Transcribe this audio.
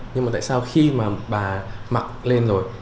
nhưng mà tại sao khi mà bà mặc lên rồi